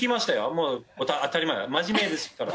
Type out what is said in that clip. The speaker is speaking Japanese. もう当たり前まじめですから。